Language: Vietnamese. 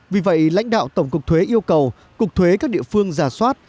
vì vậy lãnh đạo tổng cục thuế yêu cầu cục thuế các địa phương giả soát